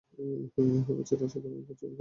এই বাচ্চার সাথে আমাকে একা রেখে চলে গেছে।